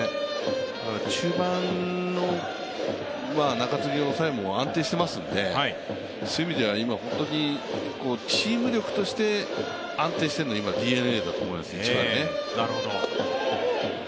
中盤の中継ぎ、抑えも安定していますので今、チーム力として一番安定しているのはＤｅＮＡだと思います。